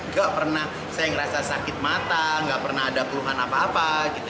gak pernah saya ngerasa sakit mata nggak pernah ada keluhan apa apa gitu